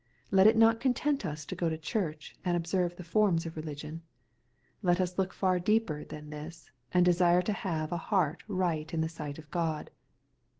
Let it not content us to go to church, and observe the forms of religion. Let us look far deeper than this, and desire to have a " heart right in the sight of Gk)d."